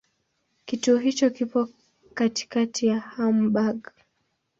Kituo hicho kipo katikati ya Hamburg.